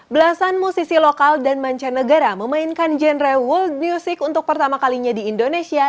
belasan musisi lokal dan mancanegara memainkan genre world music untuk pertama kalinya di indonesia